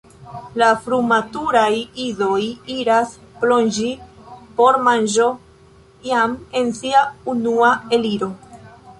La frumaturaj idoj iras plonĝi por manĝo jam en sia unua eliro.